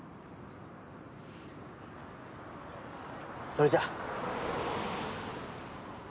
それじゃあ。